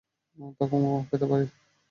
তা কখন পেতে পারি?